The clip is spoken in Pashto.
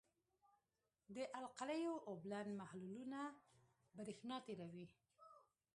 د القلیو اوبلن محلولونه برېښنا تیروي.